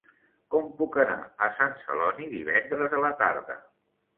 Com puc anar a Sant Celoni divendres a la tarda?